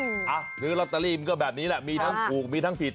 อ่ะซื้อลอตเตอรี่มันก็แบบนี้แหละมีทั้งถูกมีทั้งผิด